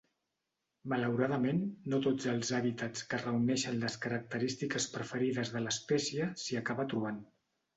Malauradament no tots els hàbitats que reuneixen les característiques preferides de l'espècie s'hi acaba trobant.